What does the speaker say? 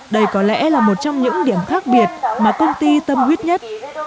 đây có lẽ là một trong những điểm khác biệt mà công ty tâm huyết nhất